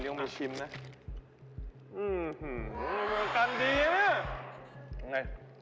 อืะอแอะนี้มาชมนะ